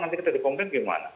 nanti kita dipompen gimana